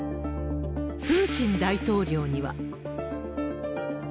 プーチン大統領には。